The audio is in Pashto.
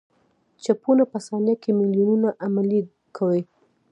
چپونه په ثانیه کې میلیونونه عملیې کوي.